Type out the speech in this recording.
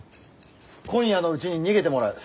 今夜のうちに逃げてもらう。